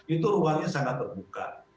itu ruangnya sangat terbuka